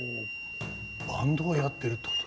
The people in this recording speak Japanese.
バンドをやってるってことですか？